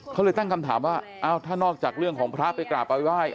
เขาเลยตั้งคำถามว่าถ้านอกจากเรื่องของพระไปกราบไปไหว้